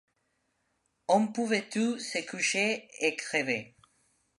on pouvait tous se coucher et crever.